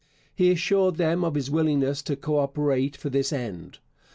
He assured them of his willingness to co operate for this end.